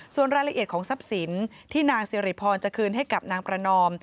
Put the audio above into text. ส่วนรายละเอียดของทรัพย์สินที่นางสิริพรจะคืนให้กับนางประนอม